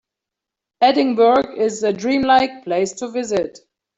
Edinburgh is a dream-like place to visit.